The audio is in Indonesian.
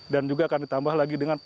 dan juga akan ditambah lagi dengan